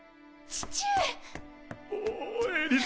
父上。